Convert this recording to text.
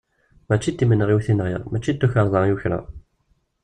Mačči d timenɣiwt i nɣiɣ, mačči d tukarḍa i ukreɣ.